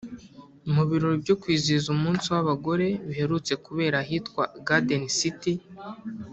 Mu birori byo kwizihiza umunsi w’abagore biherutse kubera ahitwa Garden City